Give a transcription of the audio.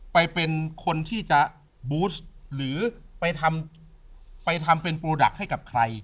เป็นคนที่จะบูสหรือไปทำไปทำเป็นโปรดักต์ให้กับใคร